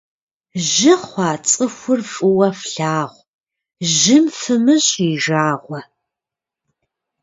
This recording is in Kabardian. Жьы хъуа цӏыхур фӏыуэ флъагъу, жьым фымыщӏ и жагъуэ.